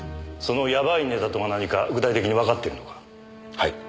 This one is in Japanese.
はい。